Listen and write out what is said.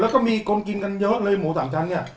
แล้วก็มีคนกินกันเยอะเลยหมูสามชั้นเนี่ย